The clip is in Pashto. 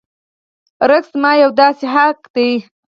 رزق زما یو داسې حق دی.